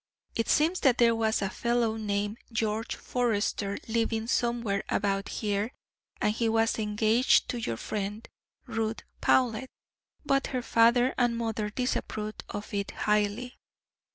It seems that there was a fellow named George Forester living somewhere about here, and he was engaged to your friend, Ruth Powlett, but her father and mother disapproved of it highly.